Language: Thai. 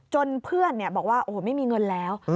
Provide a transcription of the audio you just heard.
เพื่อนบอกว่าโอ้โหไม่มีเงินแล้ว